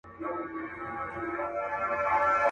یو سړی په اصفهان کي دوکاندار وو.